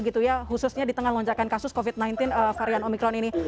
khususnya di tengah lonjakan kasus covid sembilan belas varian omikron ini